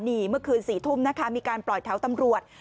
นี่เมื่อคืน๔ทุ่มนะคะมีการปล่อยแถวตำรวจ